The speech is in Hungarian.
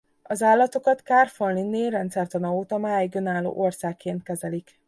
Az állatokat Carl von Linné rendszertana óta máig önálló országként kezelik.